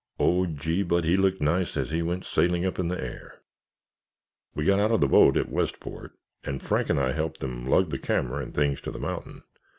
Oh, gee, but he looked nice as he went sailing up in the air! We got out of the boat at Westport and Frank and I helped them lug the camera and things to the mountain.